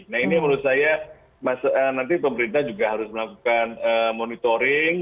nah ini menurut saya nanti pemerintah juga harus melakukan monitoring